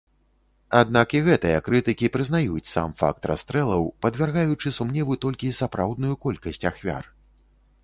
Аднак і гэтыя крытыкі прызнаюць сам факт расстрэлаў, падвяргаючы сумневу толькі сапраўдную колькасць ахвяр.